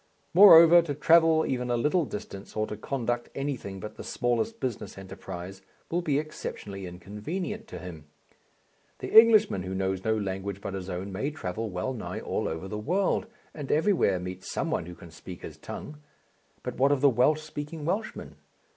Moreover, to travel even a little distance or to conduct anything but the smallest business enterprise will be exceptionally inconvenient to him. The Englishman who knows no language but his own may travel well nigh all over the world and everywhere meet some one who can speak his tongue. But what of the Welsh speaking Welshman?